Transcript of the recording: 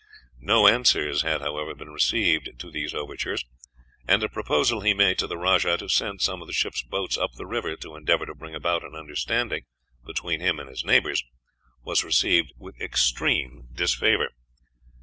No answers had, however, been received to these overtures, and a proposal he made to the rajah to send some of the ship's boats up the river to endeavor to bring about an understanding between him and his neighbors was received with extreme disfavor.